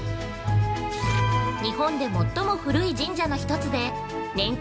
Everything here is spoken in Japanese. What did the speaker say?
◆日本で最も古い神社の１つで年間